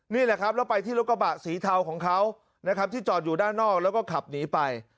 นี่แหละครับแล้วไปที่รถกระบะสีเทาของเขานะครับที่จอดอยู่ด้านนอกแล้วก็ขับหนีไป